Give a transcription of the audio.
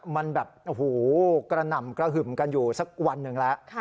มันกระหน่ำกระหึมกันอยู่สักวันหนึ่งแล้ว